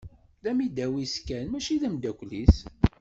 D amidaw-is kan, mačči d amdakel-is.